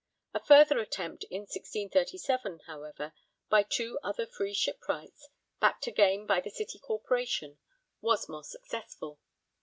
A further attempt in 1637, however, by two other free shipwrights, backed again by the City Corporation, was more successful.